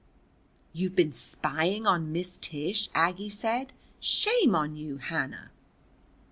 "You've been spying on Miss Tish," Aggie said. "Shame on you, Hannah!"